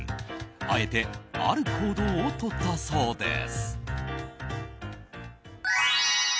あえてある行動をとったそうです。